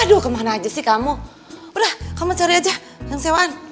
aduh kemana aja sih kamu udah kamu cari aja yang sewaan